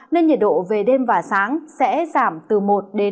nên nhiệt độ về đêm và sáng sẽ giảm từ một hai độ so với hai mươi bốn giờ trước đó